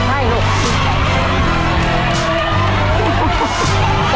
ให้ลูก